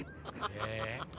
え？